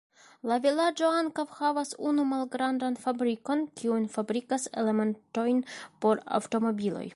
La vilaĝo ankaŭ havas unu malgrandan fabrikon, kiu fabrikas elementojn por aŭtomobiloj.